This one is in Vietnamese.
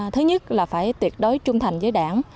thứ nhất là phải tuyệt đối trung thành với đảng